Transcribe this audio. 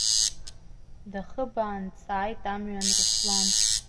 Дахыбаан дҵааит амҩан Руслан.